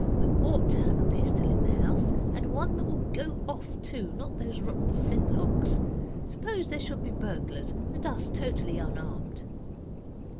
We ought to have a pistol in the house, and one that will go off, too not those rotten flintlocks. Suppose there should be burglars and us totally unarmed?